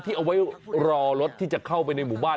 เอาไว้รอรถที่จะเข้าไปในหมู่บ้าน